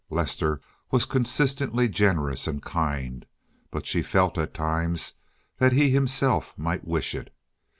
Lester was consistently generous and kind, but she felt at times that he himself might wish it.